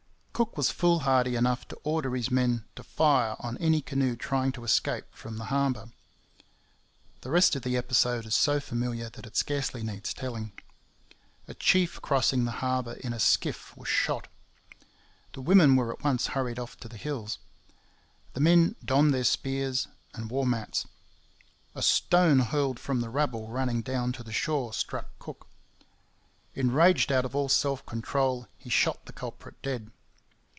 Cook was foolhardy enough to order his men to fire on any canoe trying to escape from the harbour. The rest of the episode is so familiar that it scarcely needs telling. A chief crossing the harbour in a skiff was shot. The women were at once hurried off to the hills. The men donned their spears and war mats. A stone hurled from the rabble running down to the shore struck Cook. Enraged out of all self control, he shot the culprit dead.